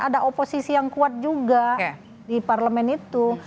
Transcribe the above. ada oposisi yang kuat juga di parlemen itu